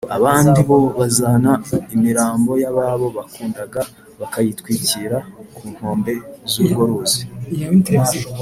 abandi bo bazana imirambo y’ababo bakundaga bakayitwikira ku nkombe z’urwo ruzi